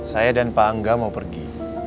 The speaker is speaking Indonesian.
saya dan pak angga mau pergi